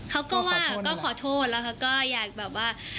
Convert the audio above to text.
เขาก็ว่าก็ขอโทษแล้วเขาก็อยากแบบว่า